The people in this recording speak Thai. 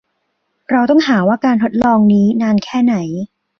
เราต้องหาว่าการทดลองนี้นานแค่ไหน